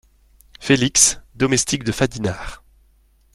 Félix , domestique de Fadinard.